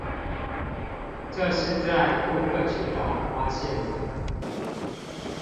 這是在庫克群島發現的。